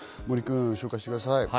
紹介してください。